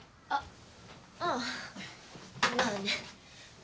あっ！